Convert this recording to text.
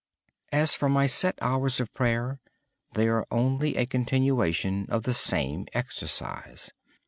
As for my set hours of prayer, they are simply a continuation of the same exercise.